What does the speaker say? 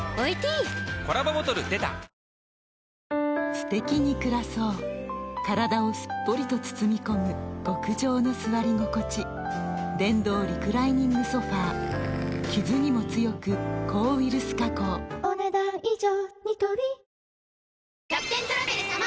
すてきに暮らそう体をすっぽりと包み込む極上の座り心地電動リクライニングソファ傷にも強く抗ウイルス加工お、ねだん以上。